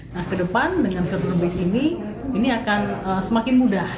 nah ke depan dengan survei base ini ini akan semakin mudah